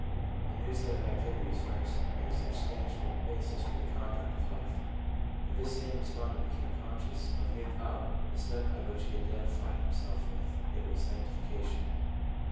The new set of activities furnish a substantial basis for the conduct of life. When this same respondent became conscious of new power, the step by which he identified himself with it was sanctification.